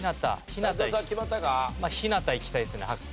ひなたいきたいですね。